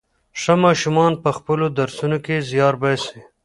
ښه ماشومان په خپلو درسونو کې زيار باسي.